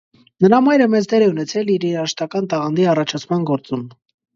Նրա մայրը մեծ դեր է ունեցել իր երաժշտական տաղանդի առաջացման գործում։